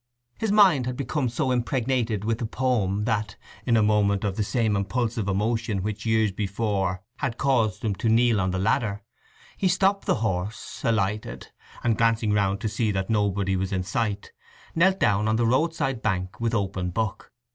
His mind had become so impregnated with the poem that, in a moment of the same impulsive emotion which years before had caused him to kneel on the ladder, he stopped the horse, alighted, and glancing round to see that nobody was in sight, knelt down on the roadside bank with open book.